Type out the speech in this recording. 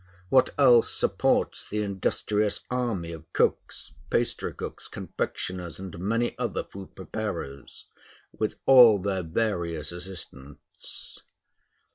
What else supports the industrious army of cooks, pastry cooks, confectioners, and many other food preparers, with all their various assistants?